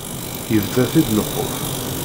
Yebda-t-id lxuf.